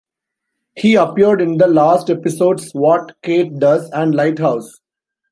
He appeared in the "Lost" episodes "What Kate Does" and "Lighthouse".